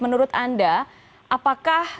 menurut anda apakah